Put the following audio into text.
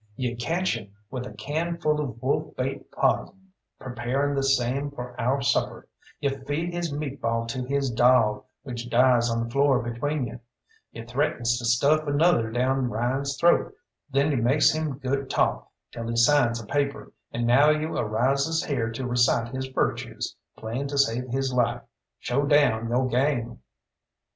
You catch him with a can full of wolf bait pizen, preparin' the same for our supper; you feed his meat ball to his dawg, which dies on the floor between you; you threatens to stuff another down Ryan's throat; then you makes him good talk till he signs a paper, and now you arises here to recite his virtues, playin' to save his life. Show down yo' game!"